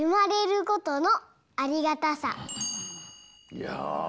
いや。